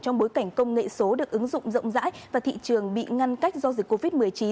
trong bối cảnh công nghệ số được ứng dụng rộng rãi và thị trường bị ngăn cách do dịch covid một mươi chín